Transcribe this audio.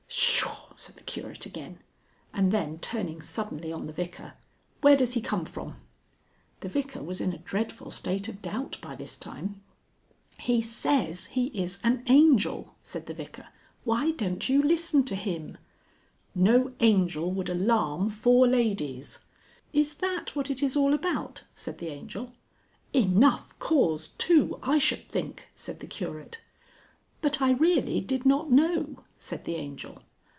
"Pshaw!" said the Curate again. And then turning suddenly on the Vicar, "Where does he come from?" The Vicar was in a dreadful state of doubt by this time. "He says he is an Angel!" said the Vicar. "Why don't you listen to him?" "No angel would alarm four ladies...." "Is that what it is all about?" said the Angel. "Enough cause too, I should think!" said the Curate. "But I really did not know," said the Angel.